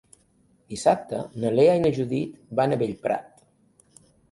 Dissabte na Lea i na Judit van a Bellprat.